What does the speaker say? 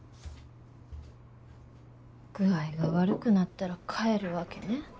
具合が悪くなったら帰るわけね。